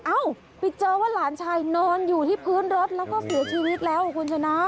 เอ้าไปเจอว่าหลานชายนอนอยู่ที่พื้นรถแล้วก็เสียชีวิตแล้วคุณชนะ